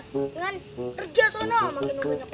dengan kerja sana